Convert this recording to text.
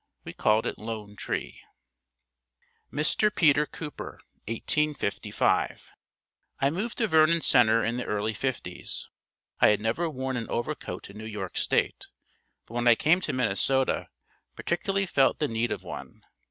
We called it Lone Tree. Mr. Peter Cooper 1855. I moved to Vernon Center in the early fifties. I had never worn an overcoat in New York state, but when I came to Minnesota particularly felt the need of one.